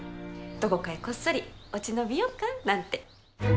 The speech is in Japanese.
どこかへこっそり落ち延びようかなんて。